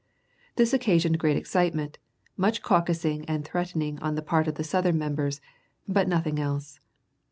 This occasioned great excitement, much caucusing and threatening on the part of the Southern members, but nothing else.